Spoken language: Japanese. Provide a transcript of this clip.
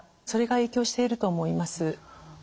それが影響していると思います。